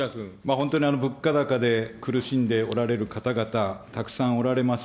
本当に物価高で苦しんでおられる方々、たくさんおられます。